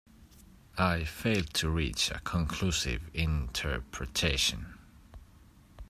I failed to reach a conclusive interpretation.